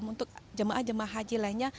untuk jemaah jemaah haji lainnya